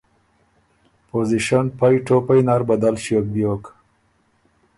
پوزیشن پئ ټوپئ نر بدل ݭیوک بیوک،